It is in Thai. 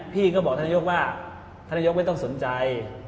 พี่ก็บอกท่านนายกว่าท่านนายกไม่ต้องสนใจ